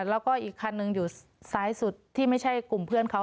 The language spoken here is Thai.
แล้วก็อีกคันหนึ่งอยู่ซ้ายสุดที่ไม่ใช่กลุ่มเพื่อนเขา